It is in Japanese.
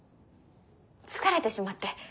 疲れてしまって。